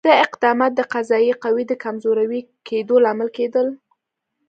دا اقدامات د قضایه قوې د کمزوري کېدو لامل کېدل.